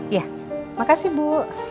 iya makasih bu